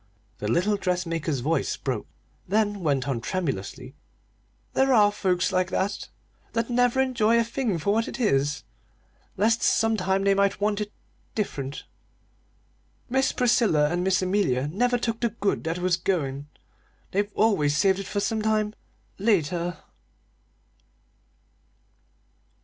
The little dressmaker's voice broke, then went on tremulously: "There are folks like that, you know that never enjoy a thing for what it is, lest sometime they might want it different. Miss Priscilla and Miss Amelia never took the good that was goin'; they've always saved it for sometime later."